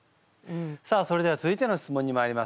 さあそれでは続いての質問にまいります。